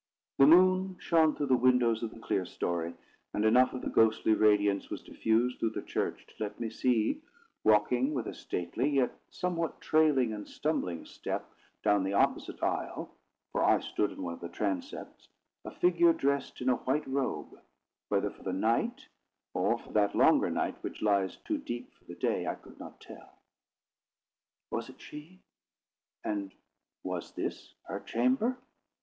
The moon shone through the windows of the clerestory, and enough of the ghostly radiance was diffused through the church to let me see, walking with a stately, yet somewhat trailing and stumbling step, down the opposite aisle, for I stood in one of the transepts, a figure dressed in a white robe, whether for the night, or for that longer night which lies too deep for the day, I could not tell. Was it she? and was this her chamber?